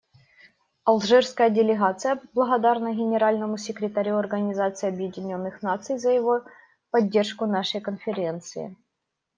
Алжирская делегация благодарна Генеральному секретарю Организации Объединенных Наций за его поддержку нашей Конференции.